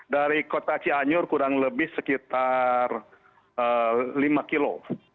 dari kota cianjur kurang lebih sekitar lima kilo